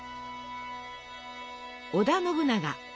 織田信長